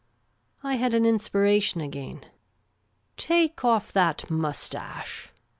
I had an inspiration again. " Take off that moustache